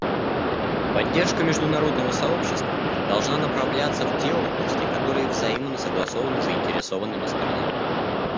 Поддержка международного сообщества должна направляться в те области, которые взаимно согласованы заинтересованными сторонами.